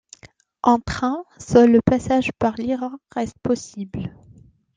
En train, seul le passage par l'Iran reste possible.